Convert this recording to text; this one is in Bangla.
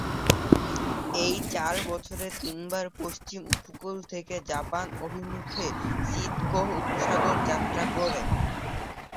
এই চার বছরে তিন বার পশ্চিম উপকূল থেকে জাপান অভিমুখে সিতকোহ উপসাগর যাত্রা করে।